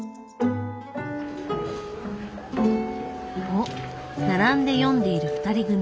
おっ並んで読んでいる２人組。